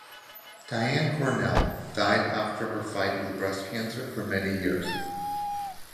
Diane Cornell died after her fight with breast cancer for many years.